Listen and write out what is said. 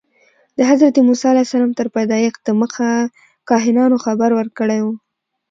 د حضرت موسی علیه السلام تر پیدایښت دمخه کاهنانو خبر ورکړی و.